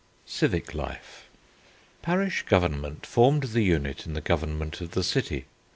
CIVIC LIFE "Parish government formed the unit in the government of the city.